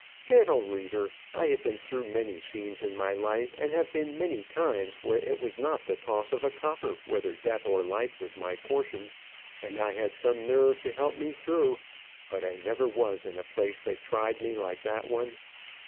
Gentle reader, I have been through many scenes in my life, and have been many times where it was not the toss of a copper whether death or life was my portion, and I had some nerve to help me through, but I never was in a place that tried me like that one.